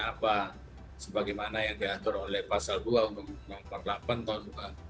apa sebagaimana yang diatur oleh pasal dua uu empat puluh delapan tahun dua ribu sepuluh